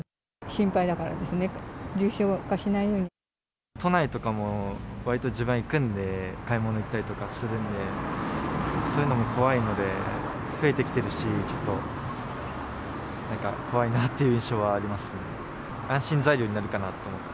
心配だからですね、重症化しない都内とかも、わりと自分は行くんで、買い物行ったりとかするんで、そういうのも怖いので、増えてきてるし、ちょっと、なんか怖いなっていう印象はありますね。